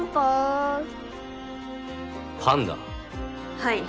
はい。